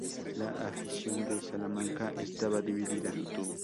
La afición de Salamanca estaba dividida.